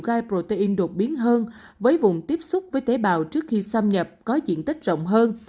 gai protein đột biến hơn với vùng tiếp xúc với tế bào trước khi xâm nhập có diện tích rộng hơn